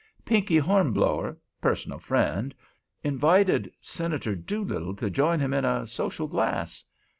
Pinkey Hornblower—personal friend—invited Senator Doolittle to join him in social glass.